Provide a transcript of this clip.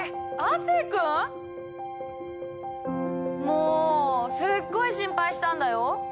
もうすっごい心配したんだよ！